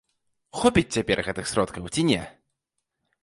Хопіць цяпер гэтых сродкаў ці не?